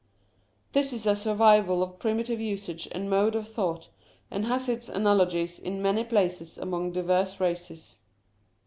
This is a survival of primitive usage and mode of thought, and has its analogies in many places and among diverse races.